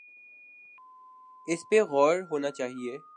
اس پہ غور ہونا چاہیے۔